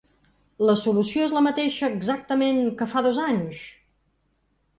La solució és la mateixa exactament que fa dos anys?